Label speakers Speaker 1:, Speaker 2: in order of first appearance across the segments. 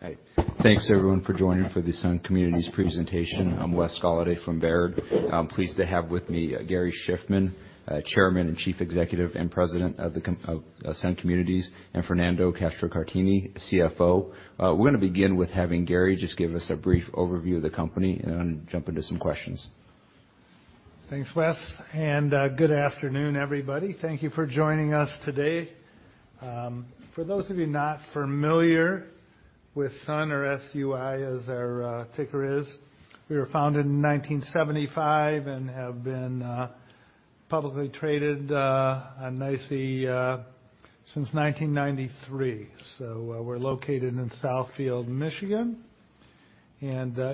Speaker 1: Hi. Thanks, everyone, for joining for the Sun Communities presentation. I'm Wes Golladay from Baird. I'm pleased to have with me, Gary Shiffman, Chairman and Chief Executive and President of Sun Communities, and Fernando Castro-Caratini, CFO. We're going to begin with having Gary just give us a brief overview of the company, and then jump into some questions.
Speaker 2: Thanks, Wes, good afternoon, everybody. Thank you for joining us today. For those of you not familiar with Sun, or SUI, as our ticker is, we were founded in 1975 and have been publicly traded on NYSE since 1993. We're located in Southfield, Michigan,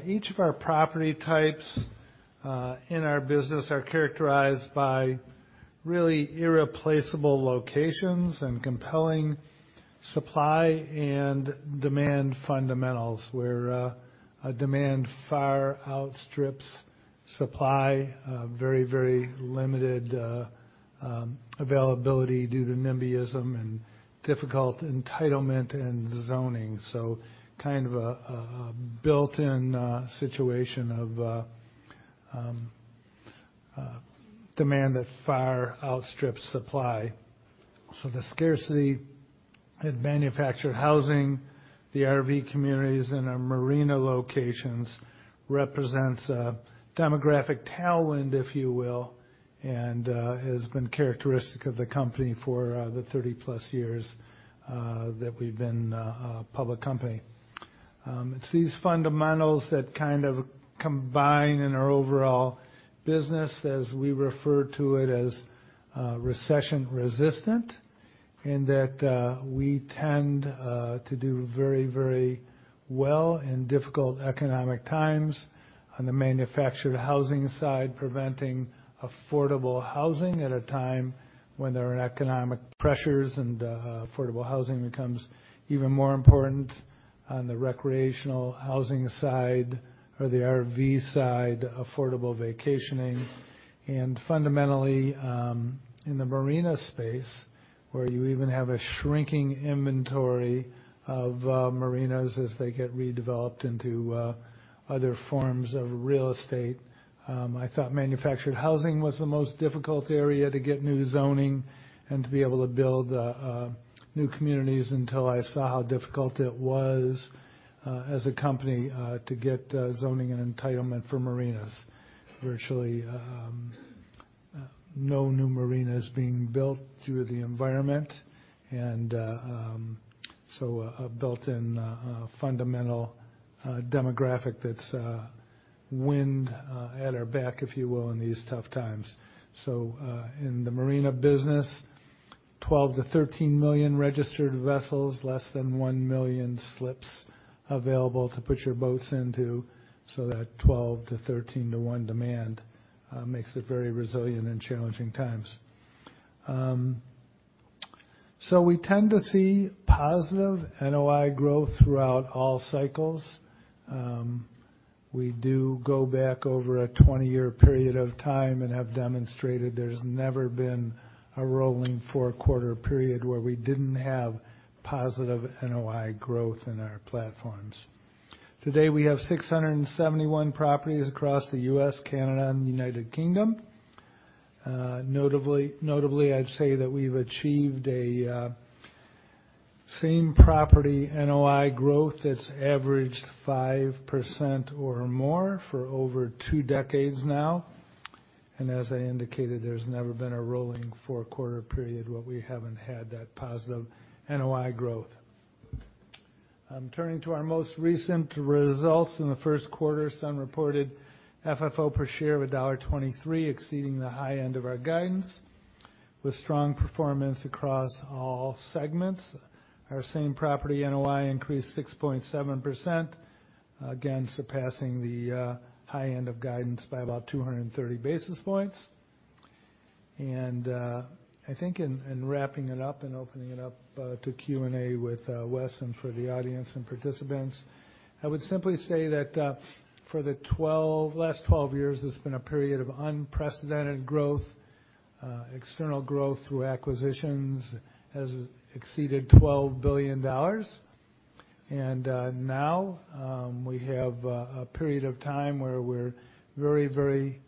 Speaker 2: each of our property types in our business are characterized by really irreplaceable locations and compelling supply and demand fundamentals, where demand far outstrips supply. Very, very limited availability due to nimbyism and difficult entitlement and zoning. Kind of a built-in situation of demand that far outstrips supply. The scarcity in Manufactured Housing, the RV communities, and our Marina locations represents a demographic tailwind, if you will, and has been characteristic of the company for the 30-plus years that we've been a public company. It's these fundamentals that kind of combine in our overall business as we refer to it as recession-resistant, in that we tend to do very, very well in difficult economic times. On the Manufactured Housing side, preventing affordable housing at a time when there are economic pressures and affordable housing becomes even more important. On the Recreational Housing side or the RV side, Affordable Vacationing, and fundamentally, in the Marina space, where you even have a shrinking inventory of Marinas as they get redeveloped into other forms of real estate. I thought Manufactured Housing was the most difficult area to get new zoning and to be able to build new communities, until I saw how difficult it was as a company to get zoning and entitlement for Marinas. Virtually, no new Marinas being built due to the environment, and a built-in fundamental demographic that's a wind at our back, if you will, in these tough times. In the Marina business, 12 million-13 million registered vessels, less than 1 million slips available to put your boats into, so that 12 to 13 to 1 demand makes it very resilient in challenging times. We tend to see positive NOI growth throughout all cycles. We do go back over a 20-year period of time and have demonstrated there's never been a rolling four-quarter period where we didn't have positive NOI growth in our platforms. Today, we have 671 properties across the US, Canada, and the United Kingdom. Notably, I'd say that we've achieved a same-property NOI growth that's averaged 5% or more for over 2 decades now, and as I indicated, there's never been a rolling four-quarter period where we haven't had that positive NOI growth. I'm turning to our most recent results. In the 1st quarter, Sun reported FFO per share of $1.23, exceeding the high end of our guidance, with strong performance across all segments. Our same property NOI increased 6.7%, again, surpassing the high end of guidance by about 230 basis points. I think in wrapping it up and opening it up to Q&A with Wes and for the audience and participants, I would simply say that for the last 12 years, it's been a period of unprecedented growth. External growth through acquisitions has exceeded $12 billion, now, we have a period of time where we're very, very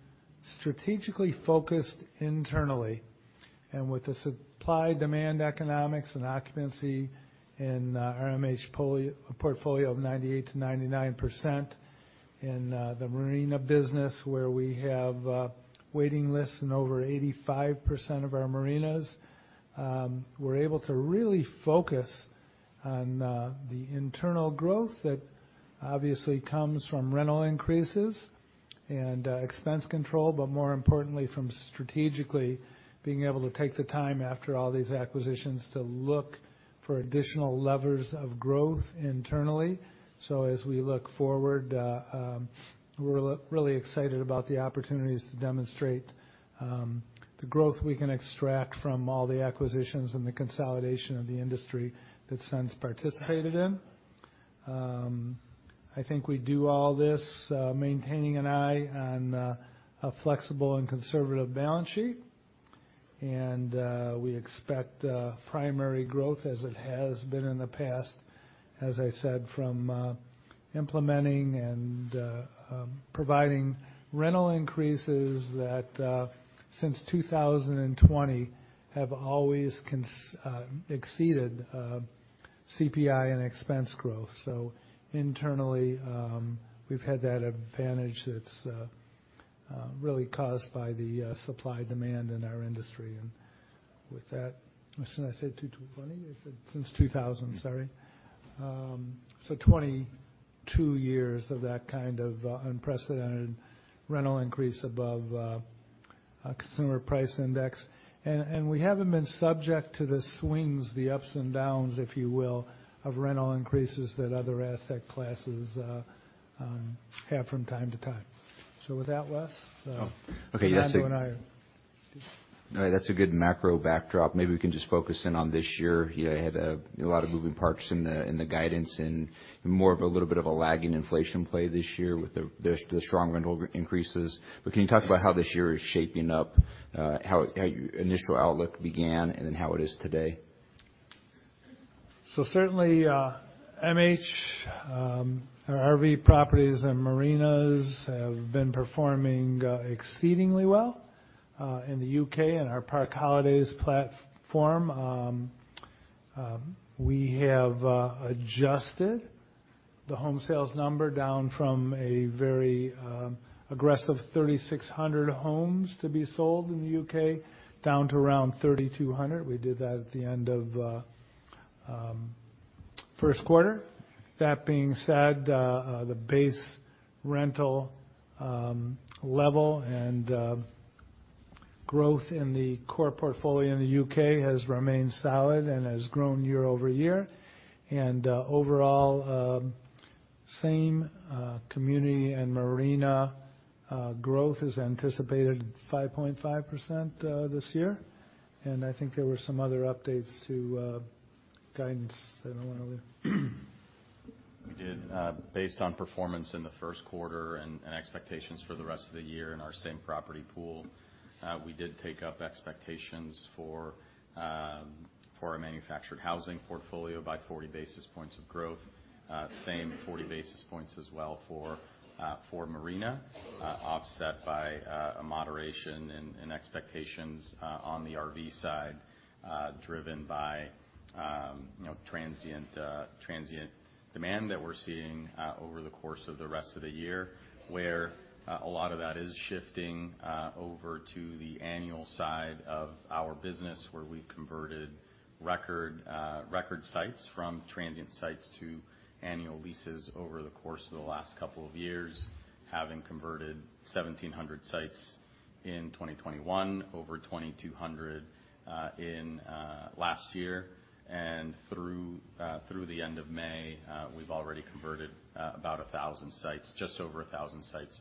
Speaker 2: strategically focused internally. With the supply-demand economics and occupancy in our MH portfolio of 98%-99%, in the Marina business, where we have waiting lists in over 85% of our Marinas, we're able to really focus on the internal growth that obviously comes from rental increases and expense control, but more importantly, from strategically being able to take the time after all these acquisitions to look for additional levers of growth internally. As we look forward, we're really excited about the opportunities to demonstrate the growth we can extract from all the acquisitions and the consolidation of the industry that Sun's participated in. I think we do all this, maintaining an eye on a flexible and conservative balance sheet. We expect primary growth as it has been in the past, as I said, from implementing and providing rental increases that since 2020 have always exceeded CPI and expense growth. Internally, we've had that advantage that's really caused by the supply-demand in our industry. With that, did I say 2020? I said since 2000, sorry. 22 years of that kind of unprecedented rental increase above consumer price index. And we haven't been subject to the swings, the ups and downs, if you will, of rental increases that other asset classes have from time to time. With that, Wes.
Speaker 1: Oh, okay, yes.
Speaker 2: Done.
Speaker 1: All right. That's a good macro backdrop. Maybe we can just focus in on this year. You had a lot of moving parts in the guidance and more of a little bit of a lagging inflation play this year with the strong rental increases. Can you talk about how this year is shaping up, how initial outlook began and then how it is today?
Speaker 2: Certainly, MH or RV properties and Marinas have been performing exceedingly well in the U.K., in our Park Holidays platform. We have adjusted the home sales number down from a very aggressive 3,600 homes to be sold in the U.K., down to around 3,200. We did that at the end of first quarter. That being said, the base rental level and growth in the core portfolio in the U.K. has remained solid and has grown year-over-year. Overall, same community and Marina growth is anticipated 5.5% this year. I think there were some other updates to guidance that I want to...
Speaker 3: We did, based on performance in the first quarter and expectations for the rest of the year in our same property pool, we did take up expectations for our Manufactured Housing portfolio by 40 basis points of growth. Same 40 basis points as well for Marina, offset by, a moderation in expectations, on the RV side, driven by, you know, transient demand that we're seeing, over the course of the rest of the year, where, a lot of that is shifting, over to the annual side of our business, where we've converted record sites from transient sites to annual leases over the course of the last couple of years. Having converted 1,700 sites in 2021, over 2,200 in last year, and through the end of May, we've already converted about 1,000 sites, just over 1,000 sites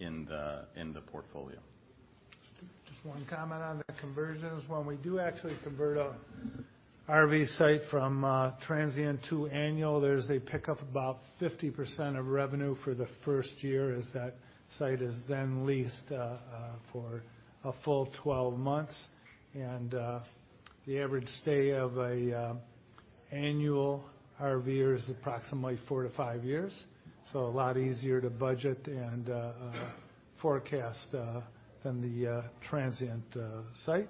Speaker 3: in the in the portfolio.
Speaker 2: Just one comment on the conversions. When we do actually convert a RV site from transient to annual, there's a pickup of about 50% of revenue for the first year, as that site is then leased for a full 12 months. The average stay of a annual RVer is approximately four to five years, so a lot easier to budget and forecast than the transient site.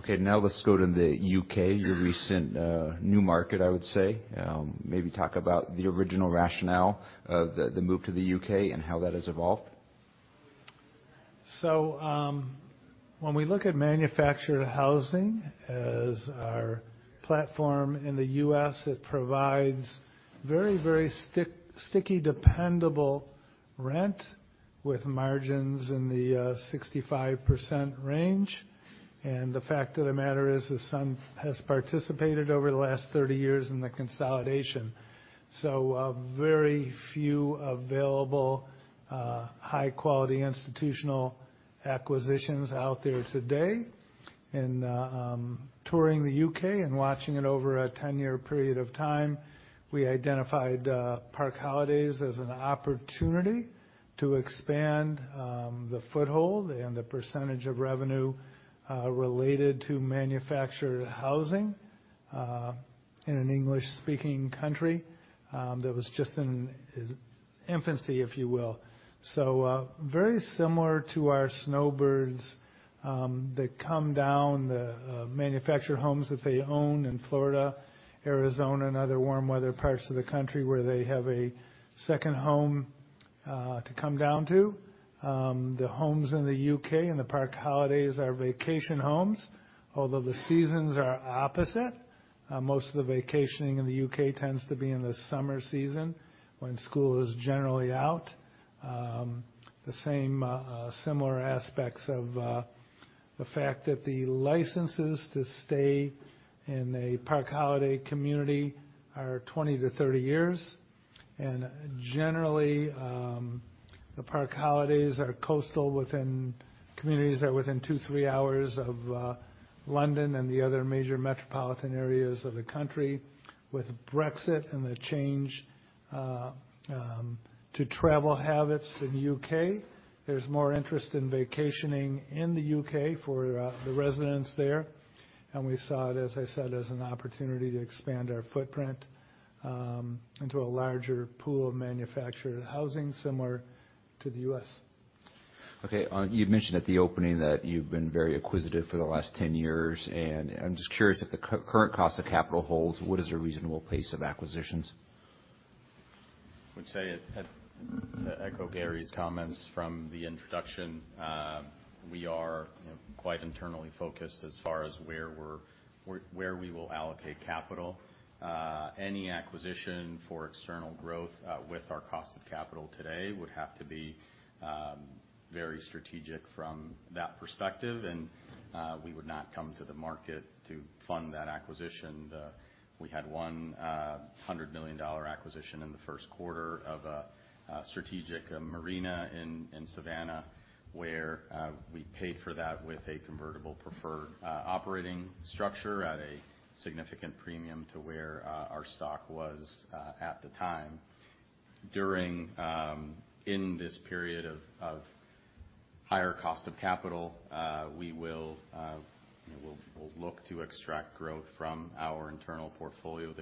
Speaker 1: Okay, now let's go to the U.K., your recent new market, I would say. Maybe talk about the original rationale of the move to the U.K. and how that has evolved.
Speaker 2: When we look at Manufactured Housing as our platform in the U.S., it provides very sticky, dependable rent, with margins in the 65% range. The fact of the matter is, Sun Communities has participated over the last 30 years in the consolidation. Very few available, high-quality institutional acquisitions out there today. Touring the U.K. and watching it over a 10-year period of time, we identified Park Holidays U.K. as an opportunity to expand the foothold and the percentage of revenue related to Manufactured Housing in an English-speaking country that was just in its infancy, if you will. Very similar to our snowbirds, that come down the Manufactured Homes that they own in Florida, Arizona, and other warm weather parts of the country, where they have a second home to come down to. The homes in the U.K. and the Park Holidays are Vacation Homes, although the seasons are opposite. Most of the vacationing in the U.K. tends to be in the summer season, when school is generally out. The same similar aspects of the fact that the licenses to stay in a Park Holiday community are 20 to 30 years.... Generally, the Park Holidays are coastal within communities that are within two, three hours of London and the other major metropolitan areas of the country. With Brexit and the change to travel habits in the U.K., there's more interest in vacationing in the U.K. for the residents there, and we saw it, as I said, as an opportunity to expand our footprint, into a larger pool of Manufactured Housing similar to the U.S.
Speaker 1: Okay. You mentioned at the opening that you've been very acquisitive for the last 10 years, I'm just curious, if the current cost of capital holds, what is your reasonable pace of acquisitions?
Speaker 3: I would say, to echo Gary's comments from the introduction, we are, you know, quite internally focused as far as where we will allocate capital. Any acquisition for external growth, with our cost of capital today would have to be very strategic from that perspective, and we would not come to the market to fund that acquisition. We had one $100 million acquisition in the first quarter of a strategic, a Marina in Savannah, where we paid for that with a convertible preferred operating structure at a significant premium to where our stock was at the time. In this period of higher cost of capital, we will look to extract growth from our internal portfolio.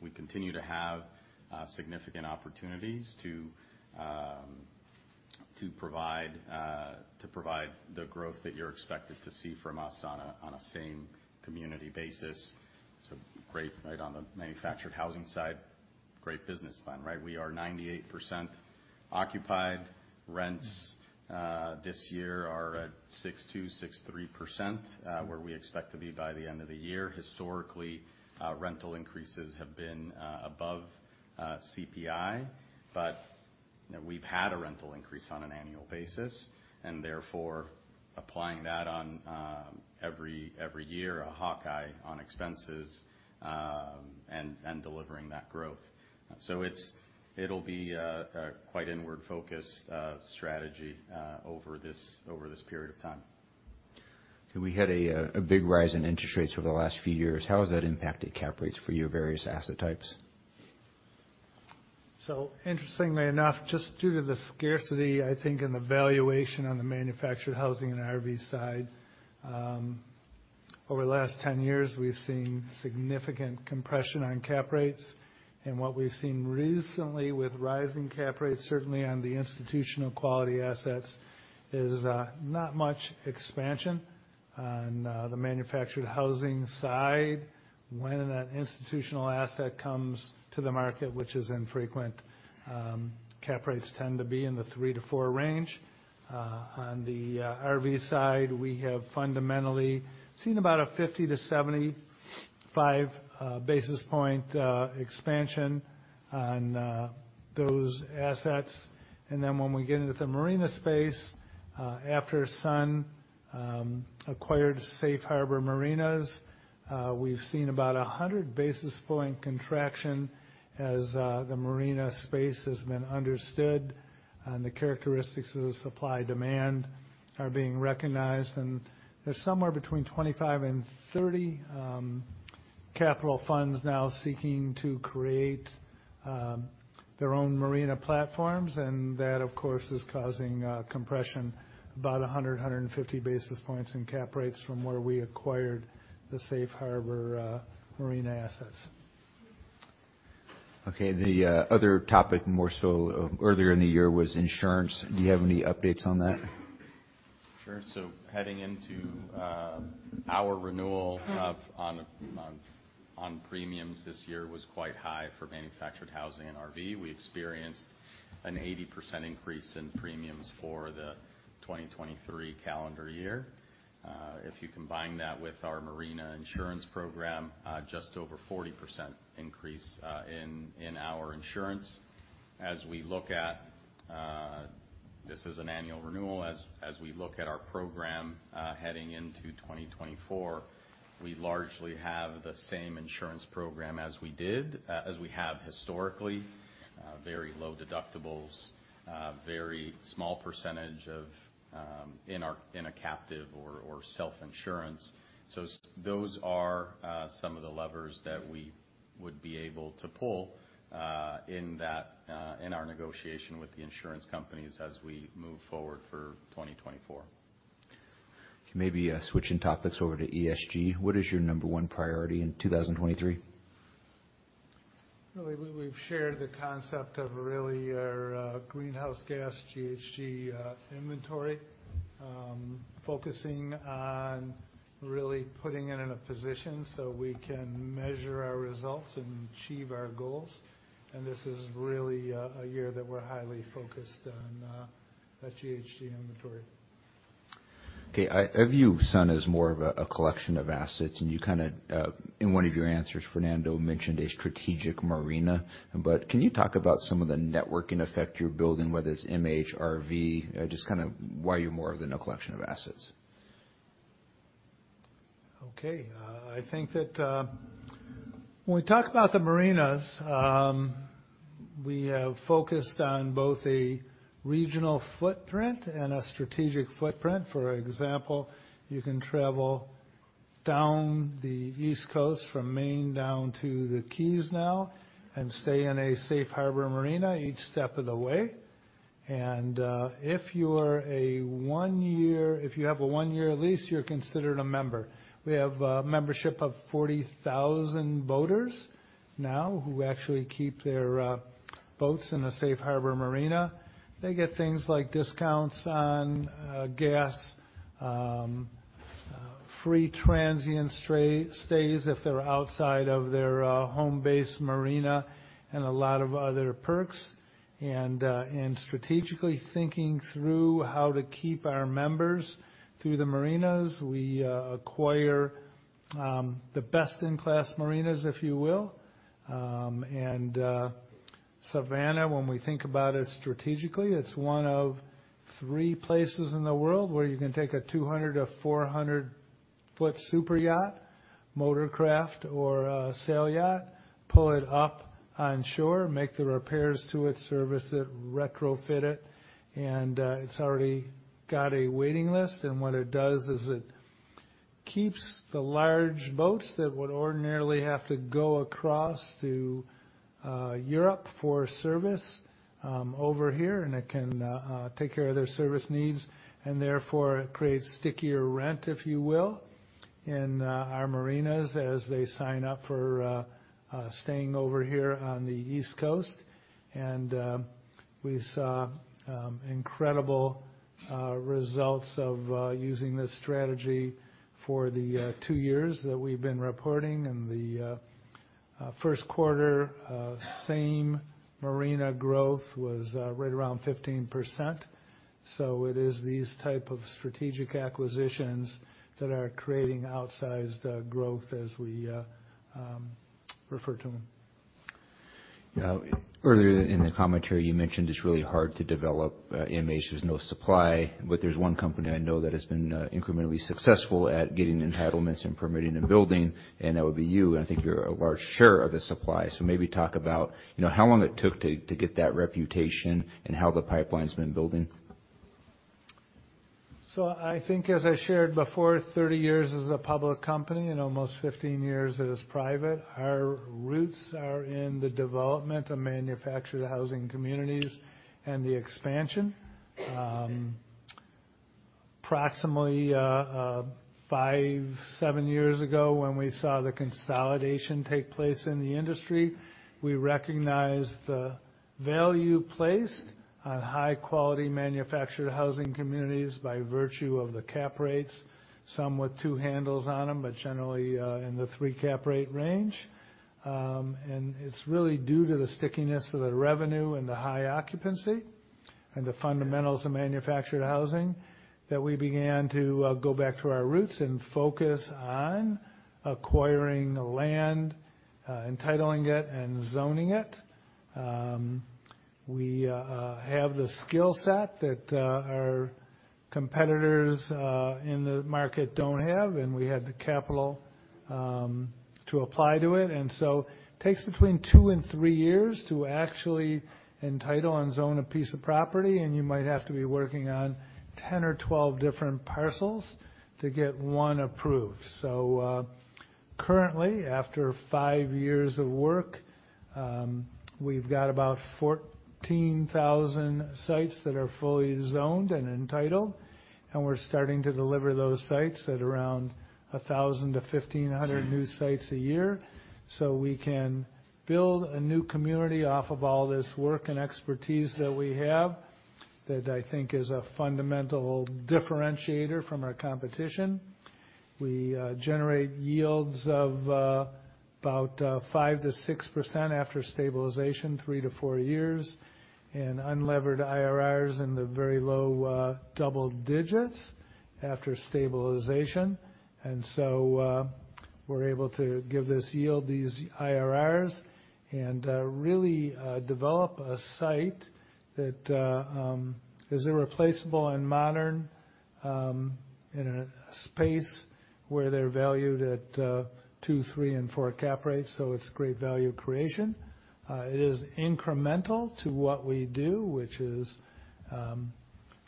Speaker 3: We continue to have significant opportunities to provide the growth that you're expected to see from us on a same community basis. Great, right on the Manufactured Housing side, great business plan, right? We are 98% occupied. Rents this year are at 6.2%-6.3% where we expect to be by the end of the year. Historically, rental increases have been above CPI, but, you know, we've had a rental increase on an annual basis, and therefore applying that on every year, a hawkeye on expenses, and delivering that growth. It'll be a quite inward-focused strategy over this period of time.
Speaker 1: We had a big rise in interest rates over the last few years. How has that impacted cap rates for your various asset types?
Speaker 2: Interestingly enough, just due to the scarcity, I think, and the valuation on the Manufactured Housing and RV side, over the last 10 years, we've seen significant compression on cap rates. What we've seen recently with rising cap rates, certainly on the institutional quality assets, is not much expansion. On the Manufactured Housing side, when an institutional asset comes to the market, which is infrequent, cap rates tend to be in the three to four range. On the RV side, we have fundamentally seen about a 50 to 75 basis point expansion on those assets. When we get into the Marina space, after Sun acquired Safe Harbor Marinas, we've seen about a 100 basis point contraction as the Marina space has been understood, and the characteristics of the supply-demand are being recognized. There's somewhere between $25 and 30 million capital funds now seeking to create their own Marina platforms, and that, of course, is causing compression about 100-150 basis points in cap rates from where we acquired the Safe Harbor Marina assets.
Speaker 1: Okay. The other topic, more so earlier in the year, was insurance. Do you have any updates on that?
Speaker 3: Sure. Heading into our renewal of... On premiums this year was quite high for Manufactured Housing and RV. We experienced an 80% increase in premiums for the 2023 calendar year. If you combine that with our Marina insurance program, just over 40% increase in our insurance. As we look at. This is an annual renewal. As we look at our program heading into 2024, we largely have the same insurance program as we did as we have historically. Very low deductibles, very small percentage of in a captive or self-insurance. Those are some of the levers that we would be able to pull in that in our negotiation with the insurance companies as we move forward for 2024.
Speaker 1: Maybe, switching topics over to ESG, what is your number one priority in 2023?
Speaker 2: Well, we've shared the concept of really our greenhouse gas, GHG, inventory. Focusing on really putting it in a position so we can measure our results and achieve our goals. This is really a year that we're highly focused on that GHG inventory.
Speaker 1: Okay. I view Sun as more of a collection of assets, and you kind of in one of your answers, Fernando mentioned a strategic Marina. Can you talk about some of the networking effect you're building, whether it's MH, RV, just kind of why you're more than a collection of assets?
Speaker 2: Okay, I think that when we talk about the Marinas, we have focused on both a regional footprint and a strategic footprint. For example, you can travel down the East Coast from Maine down to the Keys now and stay in a Safe Harbor Marina each step of the way. If you have a one-year lease, you're considered a member. We have a membership of 40,000 boaters now, who actually keep their boats in a Safe Harbor Marina. They get things like discounts on gas, free transient stays if they're outside of their home base Marina, and a lot of other perks. Strategically thinking through how to keep our members through the Marinas, we acquire the best-in-class Marinas, if you will. Savannah, when we think about it strategically, it's one of three places in the world where you can take a 200- to 400-foot super yacht, motor craft or a sail yacht, pull it up on shore, make the repairs to it, service it, retrofit it's already got a waiting list. What it does is it keeps the large boats that would ordinarily have to go across to Europe for service over here, and it can take care of their service needs, and therefore it creates stickier rent, if you will, in our Marinas as they sign up for staying over here on the East Coast. We saw incredible results of using this strategy for the two years that we've been reporting. In the first quarter, same Marina growth was right around 15%. It is these type of strategic acquisitions that are creating outsized growth as we refer to them.
Speaker 1: Yeah. Earlier in the commentary, you mentioned it's really hard to develop, AMAs. There's no supply, but there's one company I know that has been incrementally successful at getting entitlements and permitting and building, and that would be you. I think you're a large share of the supply. Maybe talk about, you know, how long it took to get that reputation and how the pipeline's been building.
Speaker 2: I think, as I shared before, 30 years as a public company and almost 15 years as private, our roots are in the development of Manufactured Housing communities and the expansion. Approximately five to seven years ago, when we saw the consolidation take place in the industry, we recognized the value placed on high-quality Manufactured Housing communities by virtue of the cap rates, some with two handles on them, but generally in the 3 cap rate range. It's really due to the stickiness of the revenue and the high occupancy and the fundamentals of Manufactured Housing, that we began to go back to our roots and focus on acquiring land, entitling it and zoning it. We have the skill set that our competitors in the market don't have, and we had the capital to apply to it. It takes between two and three years to actually entitle and zone a piece of property, and you might have to be working on 10 or 12 different parcels to get one approved. Currently, after 5 years of work, we've got about 14,000 sites that are fully zoned and entitled, and we're starting to deliver those sites at around 1,000 to 1,500 new sites a year. We can build a new community off of all this work and expertise that we have, that I think is a fundamental differentiator from our competition. We generate yields of about 5%-6% after stabilization, three to four years, and unlevered IRRs in the very low double digits after stabilization. We're able to give this yield, these IRRs, and really develop a site that is irreplaceable and modern in a space where they're valued at 2, 3, and 4 cap rates. It's great value creation. It is incremental to what we do, which is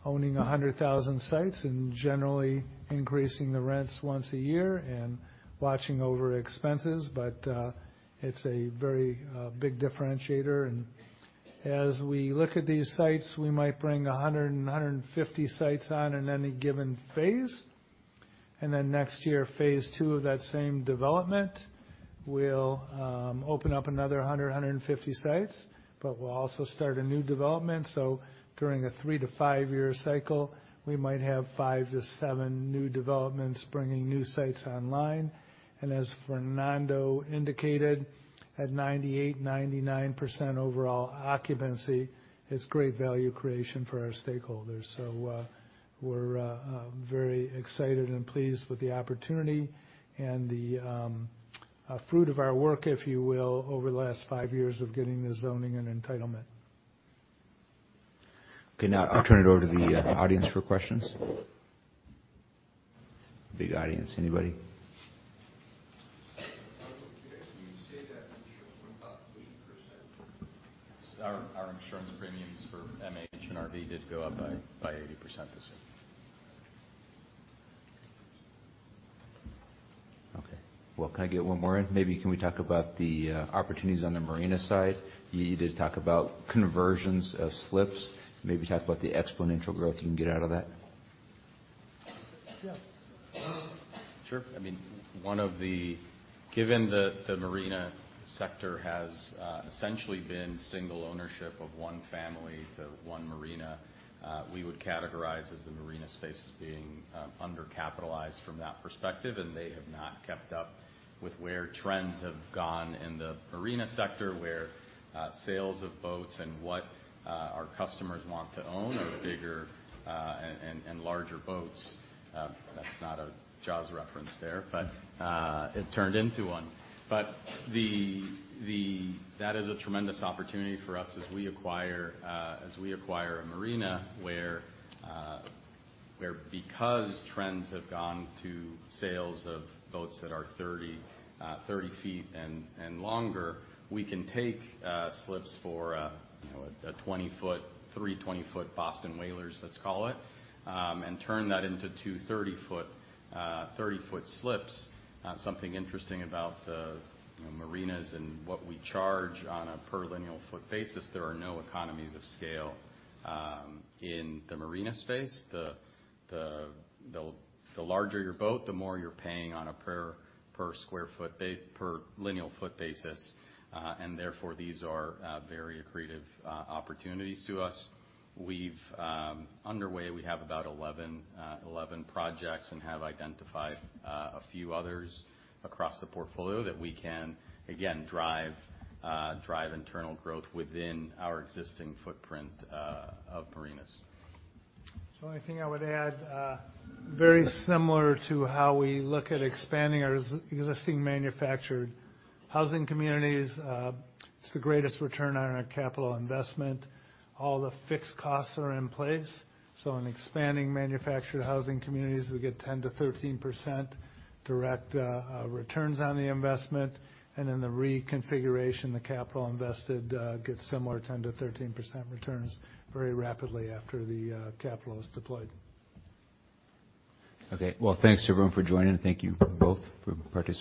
Speaker 2: owning 100,000 sites and generally increasing the rents once a year and watching over expenses, but it's a very big differentiator. As we look at these sites, we might bring 100 and 150 sites on in any given phase. Next year, Phase 2 of that same development will open up another 100, 150 sites, but we'll also start a new development. During a 3-5-year cycle, we might have 5-7 new developments bringing new sites online. As Fernando indicated, at 98%, 99% overall occupancy, it's great value creation for our stakeholders. We're very excited and pleased with the opportunity and the fruit of our work, if you will, over the last 5 years of getting the zoning and entitlement.
Speaker 1: Okay, now I'll turn it over to the audience for questions. Big audience. Anybody? You say that insurance went up 80%?
Speaker 3: Our insurance premiums for MH and RV did go up by 80% this year.
Speaker 1: Well, can I get one more in? Can we talk about the opportunities on the Marina side? You did talk about conversions of slips. Talk about the exponential growth you can get out of that.
Speaker 2: Yeah.
Speaker 3: Sure. I mean, one of the given the Marina sector has essentially been single ownership of one family to one Marina, we would categorize as the Marina space as being undercapitalized from that perspective, and they have not kept up with where trends have gone in the Marina sector, where sales of boats and what our customers want to own are bigger and larger boats. That's not a Jaws reference there, but it turned into one. The... That is a tremendous opportunity for us as we acquire, as we acquire a Marina where because trends have gone to sales of boats that are 30 feet and longer, we can take slips for, you know, a 20-foot, three 20-foot Boston Whalers, let's call it, and turn that into two 30-foot slips. Something interesting about the, you know, Marinas and what we charge on a per lineal foot basis, there are no economies of scale. In the Marina space, the larger your boat, the more you're paying on a per lineal foot basis, and therefore, these are very accretive opportunities to us. We've... Underway, we have about 11 projects and have identified, a few others across the portfolio that we can, again, drive internal growth within our existing footprint, of Marinas.
Speaker 2: The only thing I would add, very similar to how we look at expanding our existing Manufactured Housing communities, it's the greatest return on our capital investment. All the fixed costs are in place, so in expanding Manufactured Housing communities, we get 10%-13% direct returns on the investment, and then the reconfiguration, the capital invested, gets similar 10%-13% returns very rapidly after the capital is deployed.
Speaker 1: Okay. Well, thanks, everyone, for joining, and thank you both for participating.